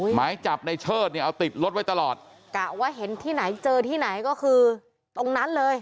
หมายจับในเชิดเนี่ยเอาติดรถไว้ตลอดกะว่าเห็นที่ไหนเจอที่ไหนก็คือตรงนั้นเลย